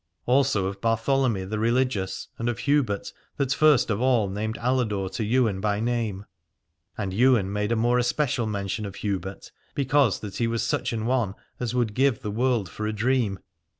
Also of Bartholomy the religious and of Hubert that first of all named Aladore to Ywain by name : and Ywain made a more especial mention of Hubert, because that he was such an one as would give the world for a dream.